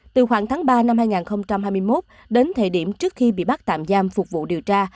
từ khoảng tháng ba năm hai nghìn hai mươi một đến thời điểm trước khi bị bắt tạm giam phục vụ điều tra